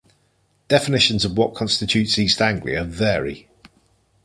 Definitions of what constitutes East Anglia vary.